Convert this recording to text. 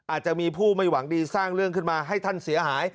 อาจจะมีผู้ไม่หวังดีสร้างเรื่องขึ้นมาให้ท่านเสียหาย